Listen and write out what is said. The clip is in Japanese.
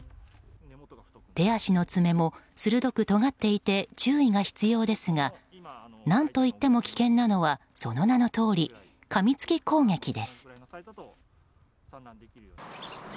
手足の爪も鋭くとがっていて注意が必要ですが何といっても危険なのはその名のとおりかみつき攻撃です。